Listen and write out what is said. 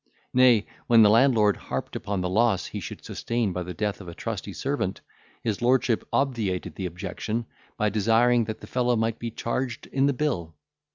Nay, when the landlord harped upon the loss he should sustain by the death of a trusty servant, his lordship obviated the objection, by desiring that the fellow might be charged in the bill.